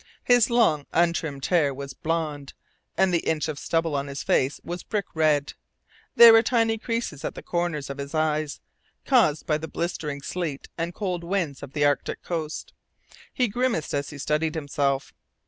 His long, untrimmed hair was blond, and the inch of stubble on his face was brick red. There were tiny creases at the corners of his eyes, caused by the blistering sleet and cold wind of the Arctic coast. He grimaced as he studied himself.